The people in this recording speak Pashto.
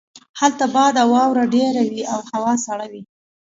هلته باد او واوره ډیره وی او هوا سړه وي